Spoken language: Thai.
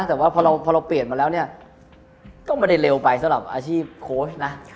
แต่ว่าพอเราเปลี่ยนมาแล้วเนี่ยก็ไม่ได้เร็วไปสำหรับอาชีพโค้ชนะ